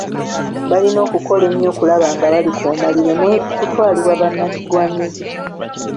Balina okukola ennyo okulaba nga balikuuma lireme kutwalibwa bannakigwanyizi.